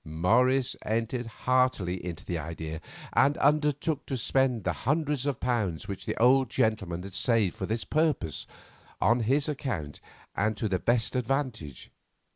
Morris entered heartily into the idea and undertook to spend the hundred pounds which the old gentleman had saved for this purpose on his account and to the best advantage.